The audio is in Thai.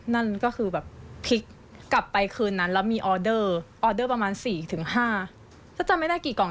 นั่นก็คือแบบพลิกกลับไปคืนนั้นแล้วมีออเดอร์ออเดอร์ประมาณสี่ถึงห้าถ้าจำไม่ได้กี่กล่อง